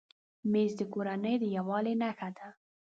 مېز د کورنۍ د یووالي نښه ده.